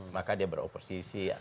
maka dia beroposisi